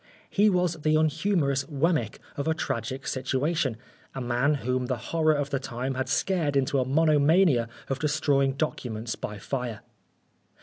He was the unhumorous Wemmick of a tragic situation, a man whom the horror of the time had scared into a monomania of destroying documents by fire.